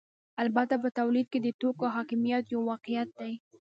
البته په تولید کې د توکو حاکمیت یو واقعیت دی